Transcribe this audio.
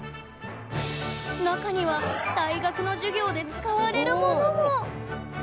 中には大学の授業で使われるものも。